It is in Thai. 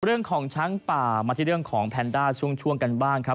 เรื่องของช้างป่ามาที่เรื่องของแพนด้าช่วงกันบ้างครับ